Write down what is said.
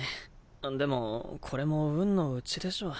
でもこれも運のうちでしょ。